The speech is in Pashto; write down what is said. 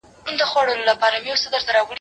يادونه د ښوونکي له خوا کېږي!